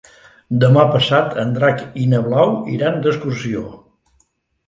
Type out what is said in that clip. Demà passat en Drac i na Blau iran d'excursió.